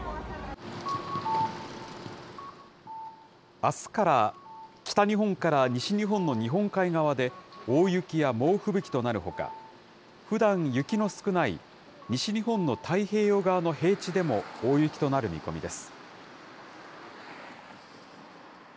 あすから北日本から西日本の日本海側で、大雪や猛吹雪となるほか、ふだん雪の少ない西日本の太平洋側の平地でも、大雪となる見込みです。